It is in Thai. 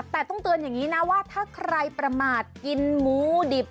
แต่ต้องเตือนอย่างนี้นะว่าถ้าใครประมาทกินหมูดิบ